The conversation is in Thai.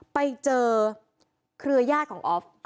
ไปเจอเครือญาติของออฟ